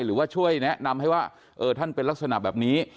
หรือว่าช่วยแนะนำให้ว่าท่านเป็นลักษณะแบบนี้